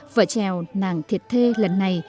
vở trèo nàng thiệt thê lần này